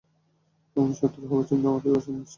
আমার শত্রু হওয়ার চিন্তা মাথায়ও আনিস না।